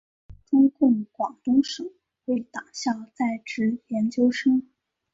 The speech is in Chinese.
中共广东省委党校在职研究生。